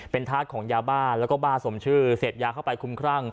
เป็นธาตุของยาบ้าแล้วก็บ้าสมชื่อเสพยาเข้าไปคุ้มครั่ง